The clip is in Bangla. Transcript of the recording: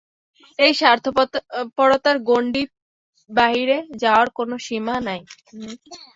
এই স্বার্থপরতার গণ্ডির বাহিরে যাওয়ার কোন সীমা নাই।